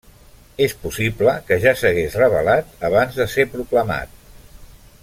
És possible que ja s'hagués rebel·lat abans de ser proclamat.